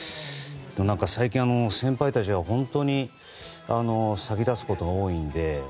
最近、先輩たちが本当に先立つことが多いので。